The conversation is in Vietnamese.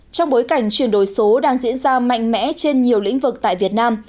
trong bối cảnh chuyển đổi số đang diễn ra mạnh mẽ trên nhiều lĩnh vực tại việt nam